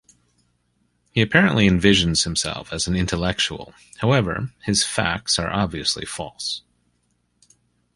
He apparently envisions himself as an intellectual; however, his "facts" are obviously false.